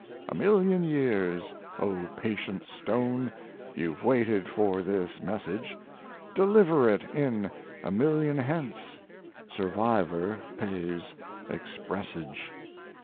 A million years, O patient stone, You've waited for this message. Deliver it a million hence; (Survivor pays expressage.)